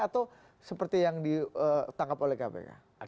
atau seperti yang ditangkap oleh kpk